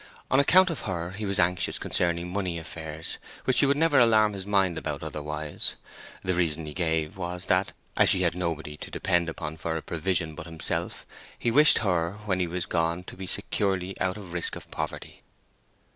On account of her he was anxious concerning money affairs, which he would never alarm his mind about otherwise. The reason he gave was that, as she had nobody to depend upon for a provision but himself, he wished her, when he was gone, to be securely out of risk of poverty.